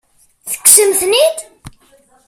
Tekksem-ten-id?